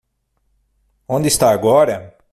Onde está agora?